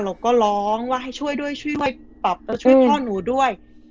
เราก็ร้องว่าให้ช่วยด้วยช่วยไว้ปรับตัวช่วยพ่อหนูด้วย